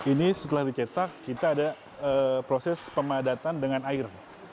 ini setelah dicetak kita ada proses pemadatan dengan air